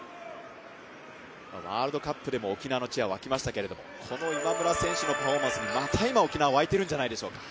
ワールドカップでも沖縄の地は沸きましたけど、この今村選手のパフォーマンスにまた今、沖縄、沸いてるんじゃないでしょうか。